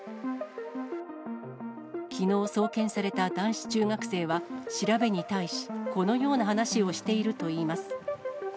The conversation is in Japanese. きのう送検された男子中学生は、調べに対し、このような話をしているといいます。